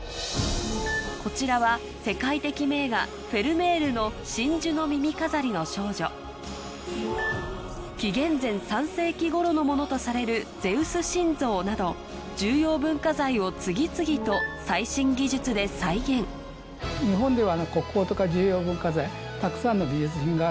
こちらは世界的名画フェルメールの『真珠の耳飾りの少女』紀元前３世紀ごろのものとされるゼウス神像など重要文化財を次々と最新技術で再現それは。